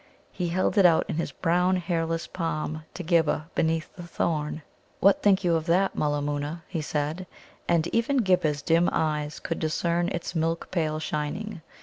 He held it out in his brown, hairless palm to Ghibba beneath the thorn. "What think you of that, Mulla moona?" he said. And even Ghibba's dim eyes could discern its milk pale shining.